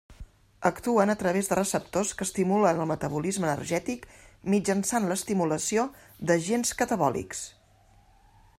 Actuen a través de receptors que estimulen el metabolisme energètic mitjançant l'estimulació de gens catabòlics.